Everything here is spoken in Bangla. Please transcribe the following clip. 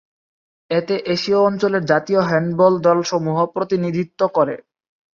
এতে এশীয় অঞ্চলের জাতীয় হ্যান্ডবল দল সমূহ প্রতিনিধিত্ব করে।